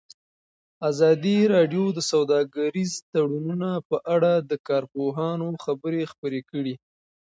ازادي راډیو د سوداګریز تړونونه په اړه د کارپوهانو خبرې خپرې کړي.